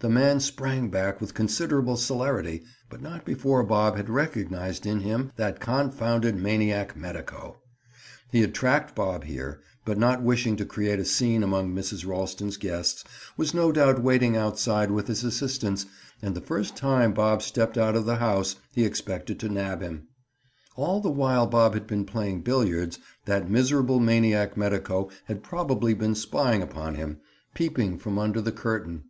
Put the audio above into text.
The man sprang back with considerable celerity, but not before Bob had recognized in him that confounded maniac medico. He had tracked Bob here, but not wishing to create a scene among Mrs. Ralston's guests, was no doubt waiting outside with his assistants and the first time Bob stepped out of the house, he expected to nab him. All the while Bob had been playing billiards, that miserable maniac medico had probably been spying upon him, peeping from under the curtain.